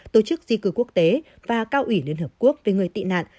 tổ chức di cư quốc tế và cao ủy liên hợp quốc về người tị nạn